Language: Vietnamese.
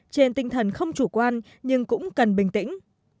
trên tinh thần không chủ quan nhưng cũng cần bình tĩnh